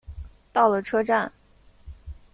到了车站